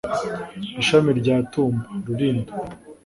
ishami rya Tumba(Rulindo)